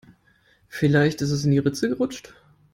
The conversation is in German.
Vielleicht ist es in die Ritze gerutscht.